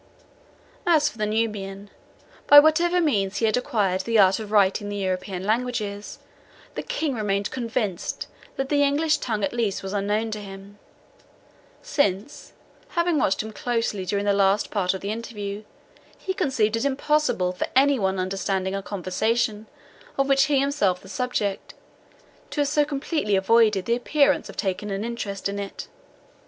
As for the Nubian, by whatever means he had acquired the art of writing the European languages, the King remained convinced that the English tongue at least was unknown to him, since, having watched him closely during the last part of the interview, he conceived it impossible for any one understanding a conversation, of which he was himself the subject, to have so completely avoided the appearance of taking an interest in it.